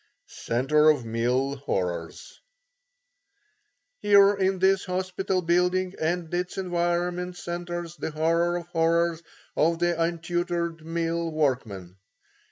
CENTRE OF MILL HORRORS Here in this hospital building and its environment centres the horror of horrors of the untutored mill workman.